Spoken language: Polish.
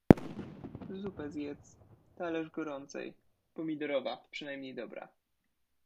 Zupę zjedz, talerz gorącej, pomidorowa, przynajmniej dobra.